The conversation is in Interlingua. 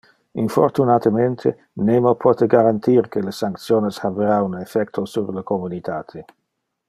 Infortunatemente, nemo pote garantir que le sanctiones habera un effecto sur le communitate.